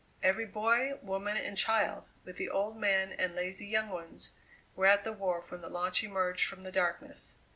Every boy, woman, and child, with the old men and lazy young ones, were at the wharf when the launch emerged from the darkness.